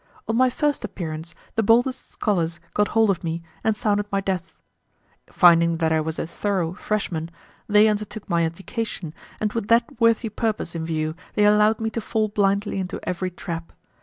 On my first appearance, the boldest scholars got hold of me and sounded my depth. Finding that I was a thorough freshman, they undertook my education, and with that worthy purpose in view they allowed me to fall blindly into every trap.